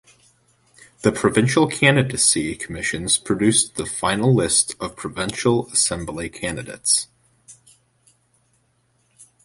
The provincial candidacy commissions produce the final list of provincial assembly candidates.